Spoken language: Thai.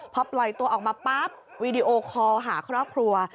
พอปล่อยตัวออกมาปั๊บวีดีโอคอลหาครอบครัว